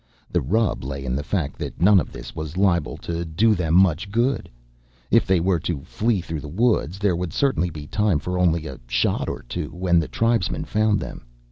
The rub lay in the fact that none of this was liable to do them much good. If they were to flee through the woods, there would certainly be time for only a shot or two when the tribesmen found them.